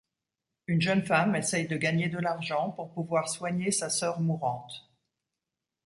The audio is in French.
Une jeune femme essaye de gagner de l'argent pour pouvoir soigner sa sœur mourante.